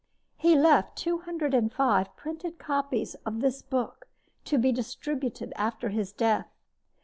He left two hundred and five printed copies of this book to be distributed after his death.